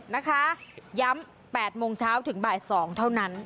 นะคะย้ำ๘โมงเช้าถึงบ่าย๒เท่านั้น